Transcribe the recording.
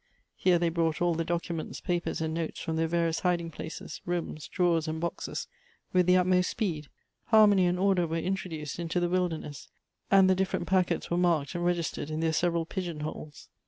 Here they brought all the documents, papers, and notes from their various hiding places, rooms, drawers, and boxes, with the utmost speed. Harmony and order were introduced into the wilderness, and the different packets were marked and registered in their several pigeon holes.